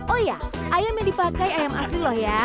oh iya ayam yang dipakai ayam asli loh ya